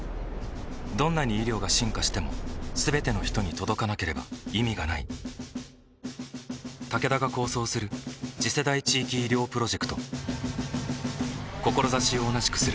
どんなに医療が進化しても全ての人に届かなければ意味がないタケダが構想する次世代地域医療プロジェクト志を同じくするあらゆるパートナーと手を組んで実用化に挑む